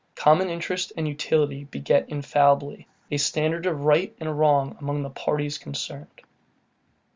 Common interest and utility beget infallibly a standard of right and wrong among the parties concerned.